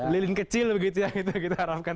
lilin kecil kita harapkan